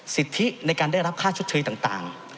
สิทธิในการได้รับค่าชดเชยต่าง